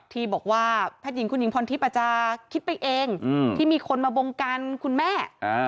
ที่บอกว่าแพทย์หญิงคุณหญิงพรทิพย์อาจจะคิดไปเองที่มีคนมาบงการคุณแม่